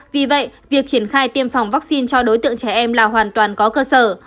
vì vậy việc triển khai tiêm phòng vaccine cho đối tượng trẻ em là hoàn toàn có cơ sở